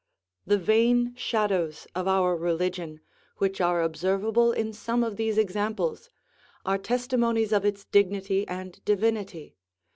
The vain shadows of our religion, which are observable in some of these examples, are testimonies of its dignity and divinity.